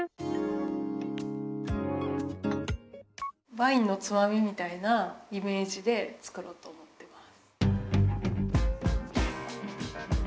ワインのつまみみたいなイメージで作ろうと思ってます。